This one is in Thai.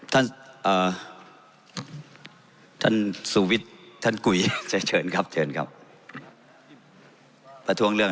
ท่านสูวิตท่านก๋วยได้เชิญครับเชิญครับภท้องเรื่อง